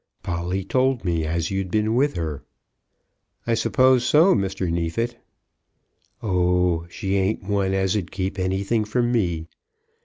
Polly told me as you'd been with her." "I suppose so, Mr. Neefit." "Oh, she ain't one as 'd keep anything from me.